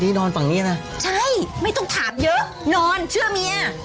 ถามเยอะนอนเชื่อเมีย